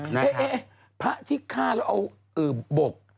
เอ๊ะพระที่ฆ่าแล้วเอาบก